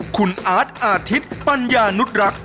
คุณอาร์ตอาทิตย์ปัญญานุษรักษ